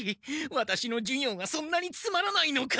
ワタシの授業がそんなにつまらないのか？